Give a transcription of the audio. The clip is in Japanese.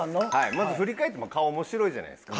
まず振り返っても顔面白いじゃないですか。